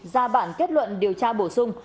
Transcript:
ra bản kết luận điều tra bổ sung